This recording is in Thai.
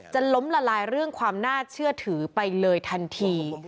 ล้มละลายเรื่องความน่าเชื่อถือไปเลยทันที